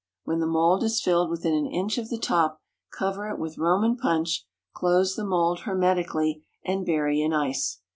When the mould is filled within an inch of the top, cover it with Roman punch, close the mould hermetically, and bury in ice.